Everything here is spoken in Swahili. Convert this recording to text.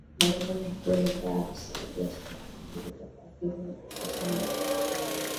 Malengo makuu ya Idhaa ya kiswahili ya Sauti ya Amerika kwa hivi sasa ni kuhakikisha